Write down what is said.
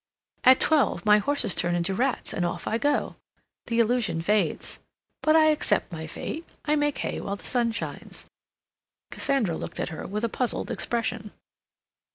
"At twelve my horses turn into rats and off I go. The illusion fades. But I accept my fate. I make hay while the sun shines." Cassandra looked at her with a puzzled expression.